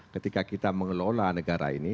ketika kita mengelola negara ini